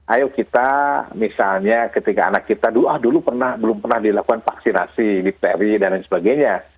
ayo kita misalnya ketika anak kita doa dulu belum pernah dilakukan vaksinasi dipteri dan lain sebagainya